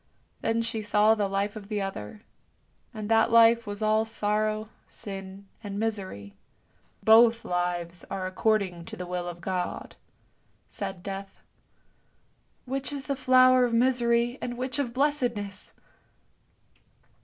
Then she saw the life of the other, and that life was all sorrow, sin, and misery. " Both lives are according to the will of God! " said Death. " Which is the flower of misery and which of blessedness?